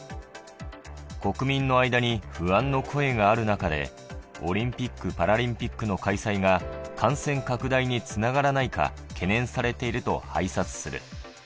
国民の間に不安の声がある中で、オリンピック・パラリンピックの開催が感染拡大につながらないか懸念されていると拝察する。